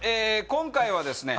今回はですね